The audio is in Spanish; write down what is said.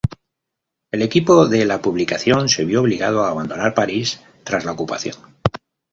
El equipo de la publicación se vio obligado a abandonar París tras la ocupación.